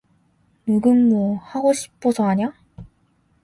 누군 뭐, 하고 싶어서 하냐?